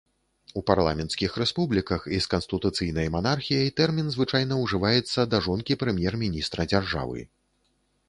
У парламенцкіх рэспубліках і з канстытуцыйнай манархіяй тэрмін звычайна ўжываецца да жонкі прэм'ер-міністра дзяржавы.